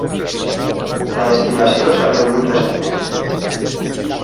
La destil·lació s'ha reduït recentment.